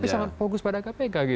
tapi sangat fokus pada kpk